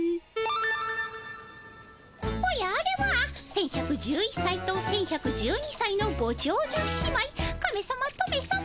おやあれは１，１１１さいと１，１１２さいのごちょうじゅ姉妹カメさまトメさま。